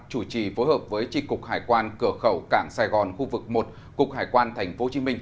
chủ trì phối hợp với tri cục hải quan cửa khẩu cảng sài gòn khu vực một cục hải quan tp hcm